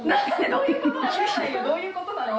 どういうことなの？